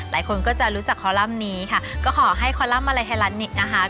หลายคนก็จะรู้จักคอลัมป์นี้ค่ะก็ขอให้คอลัมป์มาลัยไทยรัฐนิกนะคะ